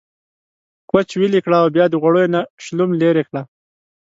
کوچ ويلي کړه او بيا د غوړو نه شلوم ليرې کړه۔